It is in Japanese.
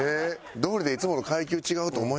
どうりでいつもと階級違うと思いました。